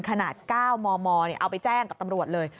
ขนาด๙มมเอาไปแจ้งกับตำรวจเลย